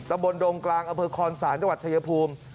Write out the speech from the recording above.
บนดงกลางอำเภอคอนศาลจังหวัดชายภูมิ